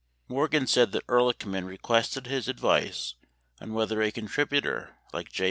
78 Morgan said that Ehrlic h m an requested his ad vice on whether a contributor like J.